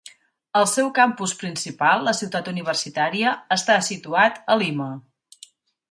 El seu campus principal, la Ciutat Universitària, està situat a Lima.